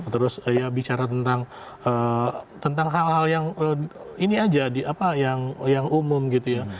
terus ya bicara tentang hal hal yang ini aja yang umum gitu ya